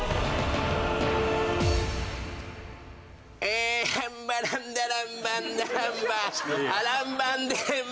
ええーアンバランダランバンダランバアランバンデレンメ。